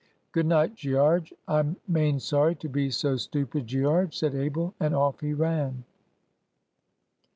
"Good night, Gearge. I'm main sorry to be so stupid, Gearge," said Abel, and off he ran.